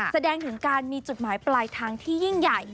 แสดงถึงการมีจุดหมายปลายทางที่ยิ่งใหญ่